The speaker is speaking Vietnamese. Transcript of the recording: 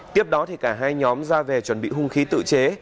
tiếp đó cả hai nhóm ra về chuẩn bị hung khí tự chế